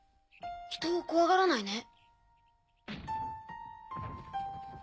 人を怖がらないね。